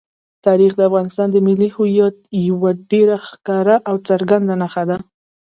تاریخ د افغانستان د ملي هویت یوه ډېره ښکاره او څرګنده نښه ده.